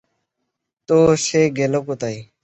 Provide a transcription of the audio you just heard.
তো, সে গেলো কোথায়?